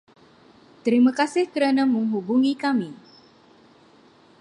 Terima kasih kerana menghubungi kami.